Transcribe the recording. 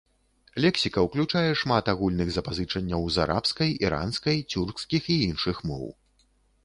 Лексіка ўключае шмат агульных запазычанняў з арабскай, іранскай, цюркскіх і іншых моў.